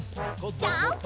ジャンプ！